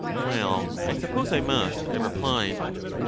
Well, I suppose I must, I replied.